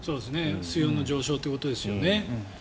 水温の上昇ということですよね。